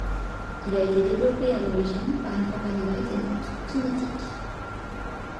Il a été développé à l'origine par une compagnie britannique, QinetiQ.